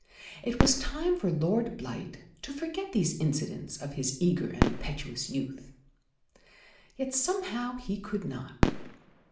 It was time for Lord Blight to forget these incidents of his eager and impetuous youth. Yet somehow he could not.